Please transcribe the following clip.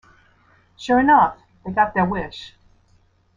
Sure enough, they got their wish.